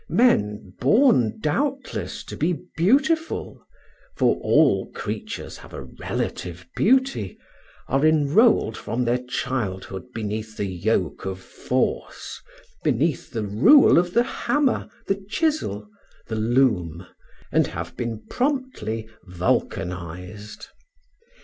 Men, born doubtless to be beautiful for all creatures have a relative beauty are enrolled from their childhood beneath the yoke of force, beneath the rule of the hammer, the chisel, the loom, and have been promptly vulcanized.